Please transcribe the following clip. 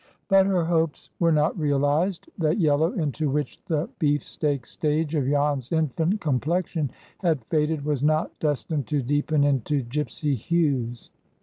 But her hopes were not realized. That yellow into which the beefsteak stage of Jan's infant complexion had faded was not destined to deepen into gipsy hues.